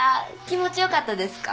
気持ち良かったですか？